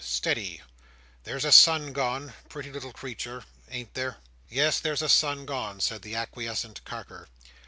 steady! There's a son gone: pretty little creetur. Ain't there?" "Yes, there's a son gone," said the acquiescent Carker.